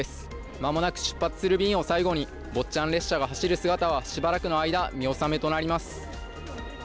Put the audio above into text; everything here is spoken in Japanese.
まもなく出発する便を最後に、坊ちゃん列車が走る姿はしばらくの間見納めとなります。